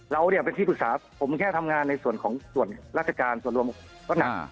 เราเนี่ยเป็นที่ปรึกษาผมแค่ทำงานในส่วนของส่วนราชการส่วนรวมก็หนัก